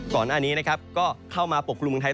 ก่อนอันนี้ก็เข้ามาปกปรุงเมืองไทย